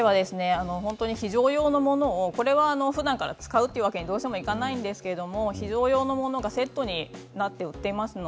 非常用のものをふだんから使うということにはいかないんですけれど非常用のものがセットになって売っています。